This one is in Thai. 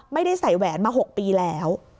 ไม่ได้ใส่แหวนมา๖ปีแล้ว